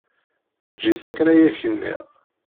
Eg-it akken ay ak-nniɣ.